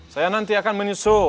saya nanti akan menyusul